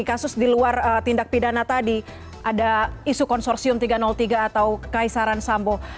kasus di luar tindak pidana tadi ada isu konsorsium tiga ratus tiga atau kaisaran sambo